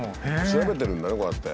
調べてるんだね